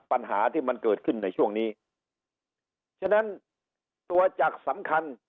ปัญหาที่มันเกิดขึ้นในช่วงนี้ฉะนั้นตัวจักรสำคัญ